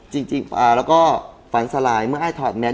จริงแล้วก็ฝันสลายเมื่อไอ้ถอดแมน